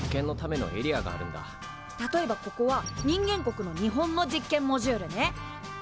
例えばここは人間国の日本の実験モジュールね。